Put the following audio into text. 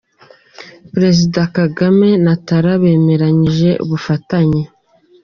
Perezida Kagame na Talon bemeranyije ubufatanye.